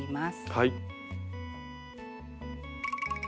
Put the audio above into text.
はい。